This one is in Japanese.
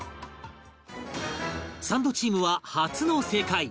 サンドチームは初の正解